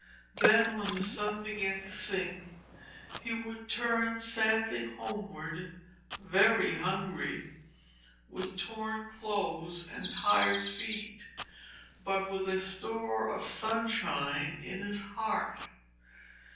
Then when the sun began to sink he would turn sadly homewards, very hungry, with torn clothes and tired feet, but with a store of sunshine in his heart.